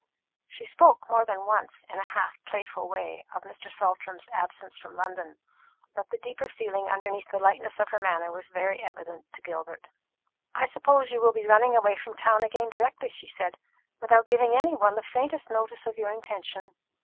She spoke more than once, in a half playful way, of Mr. Saltram's absence from London; but the deeper feeling underneath the lightness of her manner was very evident to Gilbert. "I suppose you will be running away from town again directly," she said, "without giving any one the faintest notice of your intention.